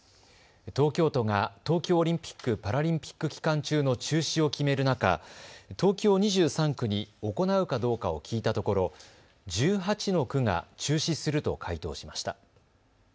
東京都が東京オリンピック・パラリンピック期間中の中止を決める中、東京２３区に行うかどうかを聞いたところ１８の区が中止すると回答しました。